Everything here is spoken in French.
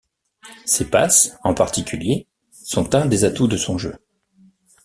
Ses passes, en particulier, sont un des atouts de son jeu.